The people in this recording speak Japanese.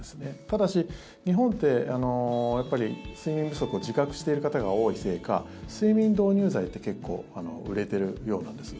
ただし、日本って睡眠不足を自覚している方が多いせいか睡眠導入剤って結構、売れてるようなんです。